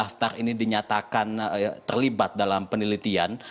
daftar ini dinyatakan terlibat dalam penelitian